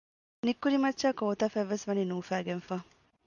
ނިތްކުރި މައްޗާއި ކޯތަފަތްވެސް ވަނީ ނޫފައިގަންފަ